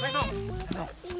tuh rama gimana nih